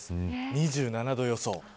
２７度の予想。